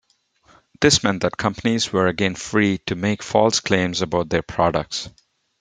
This meant that companies were again free to make false claims about their products.